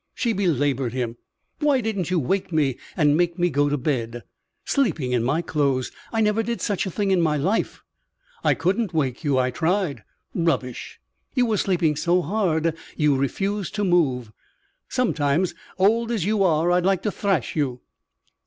She belaboured him. "Why didn't you wake me and make me go to bed? Sleeping in my clothes! I never did such a thing in my life." "I couldn't wake you. I tried." "Rubbish." "You were sleeping so hard you refused to move." "Sometimes, old as you are, I'd like to thrash you."